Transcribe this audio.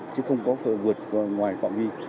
chứ không có vượt ngoài phạm vi